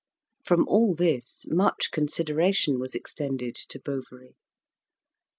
From all this much consideration was extended to Bovary.